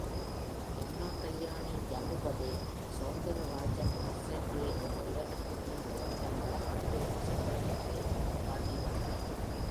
யமுனாகல்யாணி ஜம்பூபதே ஸௌந்திரராஜம் ஆச்ரயே என்ற இரண்டு கீர்த்தனங்களிலும் தம் வடநாட்டு இசைப்பழக்கத்தை நன்கு காட்டி யிருக்கிறார்.